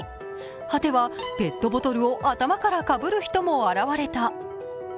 果ては、ペットボトルを頭からかぶる人も現れた。